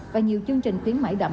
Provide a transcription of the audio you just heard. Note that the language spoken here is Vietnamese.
và nhiều chương trình tuyến mãi đậm